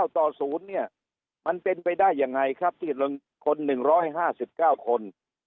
ต่อ๐เนี่ยมันเป็นไปได้ยังไงครับที่คน๑๕๙คน